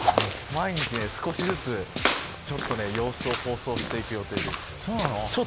毎日少しずつ様子を放送していく予定です。